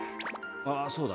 あっそうだ。